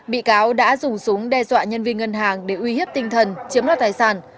bị cáo đã dùng súng đe dọa nhân viên ngân hàng để uy hiếp tinh thần chiếm đoạt tài sản